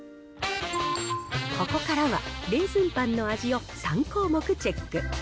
ここからはレーズンパンの味を３項目チェック。